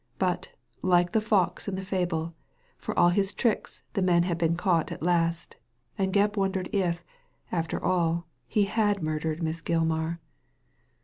But, like the fox in the fable, for all his tricks the man had been caught at last, and Gebb wondered if, after all, he had murdered Miss Gilmar.